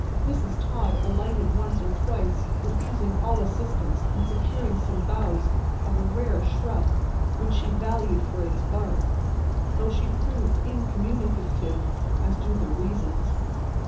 Mrs. Todd alighted once or twice, refusing all assistance in securing some boughs of a rare shrub which she valued for its bark, though she proved incommunicative as to her reasons.